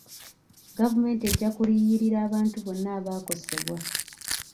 Gavumenti ejja kuliyirira abantu bonna abaakosebwa.